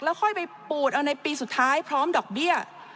ค่อยไปปูดเอาในปีสุดท้ายพร้อมดอกเบี้ย